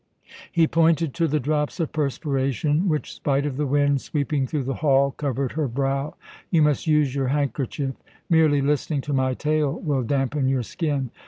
He pointed to the drops of perspiration which, spite of the wind sweeping through the hall, covered her brow: "You must use your handkerchief. Merely listening to my tale will dampen your skin.